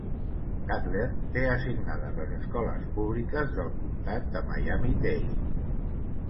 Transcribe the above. Cutler té assignades les escoles públiques del comtat de Miami-Dade.